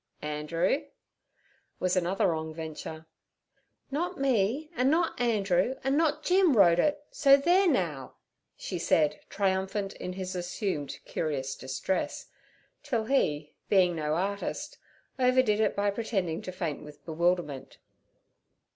'Andrew?' was another wrong venture. 'Not me, an' not Andrew, an' not Jim wrote it, so there now' she said, triumphant in his assumed curious distress, till he, being no artist, overdid it by pretending to faint with bewilderment.